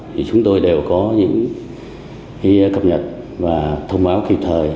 thì chúng tôi đều có những cập nhật và thông báo kịp thời